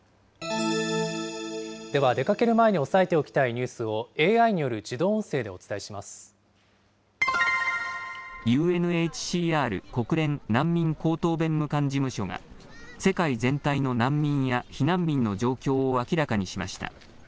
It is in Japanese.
では出かける前に押さえておきたいニュースをＡＩによる自動ＵＮＨＣＲ・国連難民高等弁務官事務所が、世界全体の難民や避難民の状況を明らかにしました。